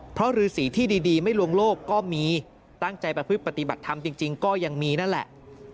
เพราะฤษีที่ดีไม่ลวงโลกก็มีตั้งใจประพฤติปฏิบัติธรรมจริงก็ยังมีนั่นแหละ